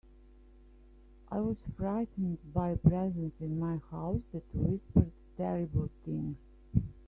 I was frightened by a presence in my house that whispered terrible things.